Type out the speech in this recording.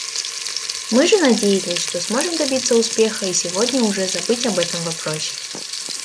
Мы же надеялись, что сможем добиться успеха и сегодня уже забыть об этом вопросе.